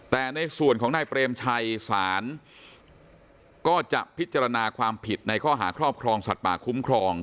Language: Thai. แต่ในส่วนของนายเปรมชัยศาลก็จะพิจารณาความผิดในข้อหาครอบครองสัตว์ป่าคุ้มครอง